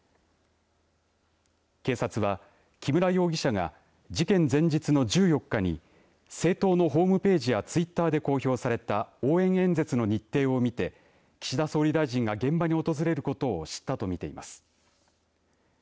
警察は木村容疑者が事件前日の１４日に政党のホームページやツイッターで公表された応援演説の日程を見て岸田総理大臣が現場に訪れることを知ったと見ています。